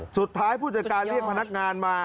ผู้จัดการเรียกพนักงานมา